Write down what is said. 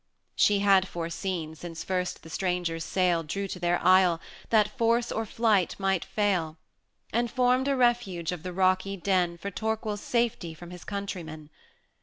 She had foreseen, since first the stranger's sail Drew to their isle, that force or flight might fail, 180 And formed a refuge of the rocky den For Torquil's safety from his countrymen.